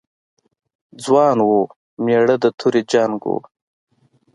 ځوان و، مېړه د تورې جنګ و.